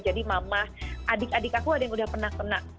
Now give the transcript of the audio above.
jadi mama adik adik aku ada yang udah pernah kena